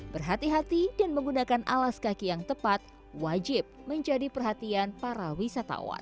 berhati hati dan menggunakan alas kaki yang tepat wajib menjadi perhatian para wisatawan